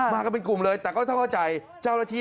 มากันเป็นกลุ่มเลยแต่ก็ถ้าเข้าใจเจ้าหน้าที่